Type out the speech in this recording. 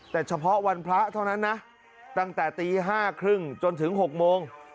แต่เฉพาะวันพระเท่านั้นนะตั้งแต่ตี๕๓๐จนถึง๖โมง